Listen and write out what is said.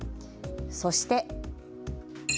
そして。